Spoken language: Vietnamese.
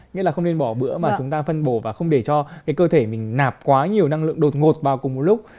nghĩa là không nên bỏ bữa mà chúng ta phân bổ và không để cho cái cơ thể mình nạp quá nhiều năng lượng đột ngột vào cùng một lúc